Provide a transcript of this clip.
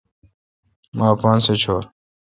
مہ اپاسہ چور۔